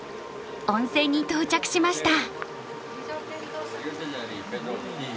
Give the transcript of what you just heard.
温泉に到着しました。